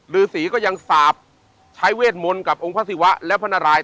ฤษีก็ยังสาปใช้เวทมนต์กับองค์พระศิวะและพระนาราย